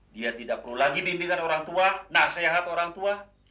dia tidak perlu lagi bimbingan orang tua nasihat orang tua